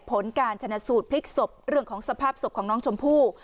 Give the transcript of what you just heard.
ผลการชนะสูตรพลิกศพเรื่องของสภาพศพของน้องชมพู่